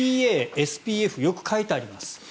ＰＡ、ＳＰＦよく書いてあります。